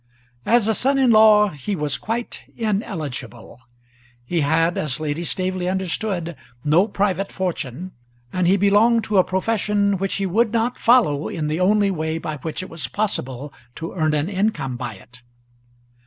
As a son in law he was quite ineligible. He had, as Lady Staveley understood, no private fortune, and he belonged to a profession which he would not follow in the only way by which it was possible to earn an income by it.